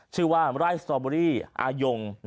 ชื่อว่าไร่สตอเบอรี่อายง